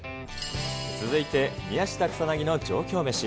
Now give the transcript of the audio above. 続いて宮下草薙の上京メシ。